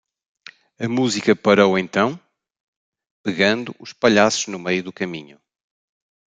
A música parou então? pegando os palhaços no meio do caminho.